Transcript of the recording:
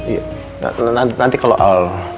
iya nanti kalau al